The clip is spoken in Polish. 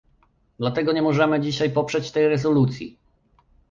Dlatego nie możemy dzisiaj poprzeć tej rezolucji